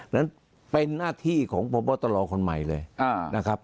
นั้นเป็นหน้าที่ของพบตรคนใหม่เลยนะครับ